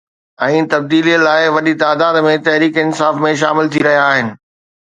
۽ تبديلي لاءِ وڏي تعداد ۾ تحريڪ انصاف ۾ شامل ٿي رهيا آهن.